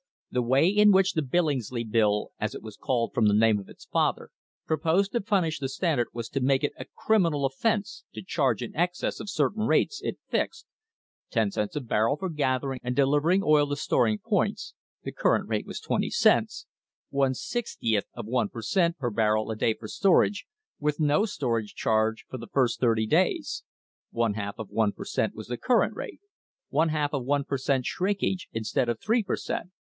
The way in which the Billingsley Bill, as it was called from the name of its father, proposed to punish the Standard was to make it a criminal offence to charge in excess of certain rates it fixed ten cents a barrel for gathering and delivering oil to storing points (the current rate was twenty cents) ; one sixtieth of one per cent, per barrel a day for storage, with no storage charge for the first thirty days (one half of one per cent, was the current rate) ; one half of one per cent, shrinkage, instead of three per cent.